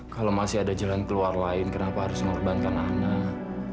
kalau masih ada jalan keluar lain kenapa harus mengorbankan anak